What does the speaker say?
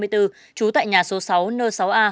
trú tại nhà số sáu n sáu a